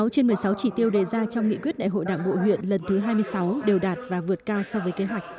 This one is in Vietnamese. một mươi trên một mươi sáu chỉ tiêu đề ra trong nghị quyết đại hội đảng bộ huyện lần thứ hai mươi sáu đều đạt và vượt cao so với kế hoạch